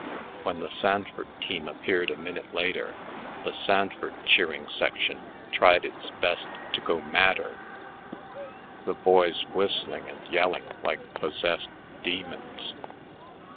When the Sanford team appeared a minute later, the Sanford cheering section tried its best to go madder, the boys whistling and yelling like possessed demons.